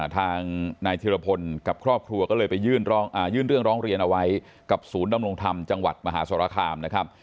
ทางนายธิรพลกับครอบครัวก็เลยไปยื่นเรื่องร้องเรียนเอาไว้กับศูนย์ดำรงธรรมจังหวัดมหาสรคามนะครับ